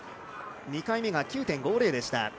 ２回目が９．５０でした。